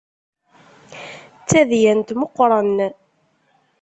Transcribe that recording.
D tadyant meqqren.